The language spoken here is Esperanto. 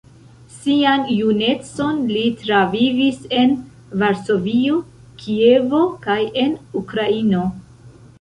Sian junecon li travivis en Varsovio, Kievo kaj en Ukraino.